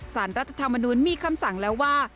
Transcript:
สารรัฐธรรมนุนมีคำสั่งแล้วว่า